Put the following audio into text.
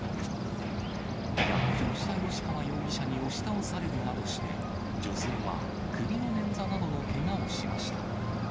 逆上した吉川容疑者に押し倒されるなどして、女性は首のねん挫などのけがをしました。